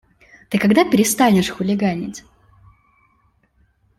Ты когда перестанешь хулиганить?